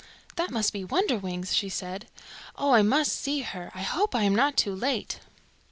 "That must be Wonderwings," she said. "Oh, I must see her. I hope I am not too late."